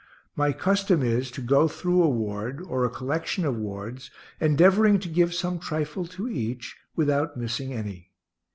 My custom is to go through a ward, or a collection of wards, endeavoring to give some trifle to each, without missing any.